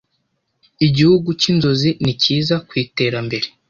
Igihugu cyinzozi ni cyiza kwiterambere